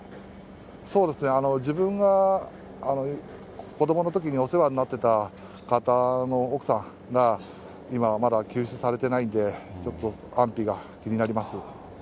自分が子どものときにお世話になってた方の奥さんが、今、まだ救出されていないんで、ちょっと安否が気になります。